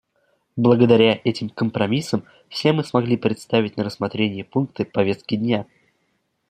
Благодаря этим компромиссам все мы смогли представить на рассмотрение пункты повестки дня.